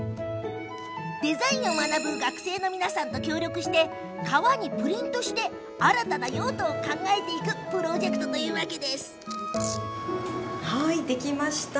デザインを学ぶ学生と協力して革にプリントして新たな用途を考えていくプロジェクトというわけです。